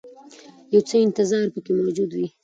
یو څه انتظار پکې موجود وي.